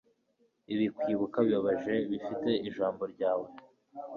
ibi kwibuka bibabaje bifite ijambo ryawe